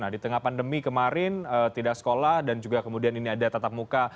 di tengah pandemi kemarin tidak sekolah dan juga kemudian ini ada tatap muka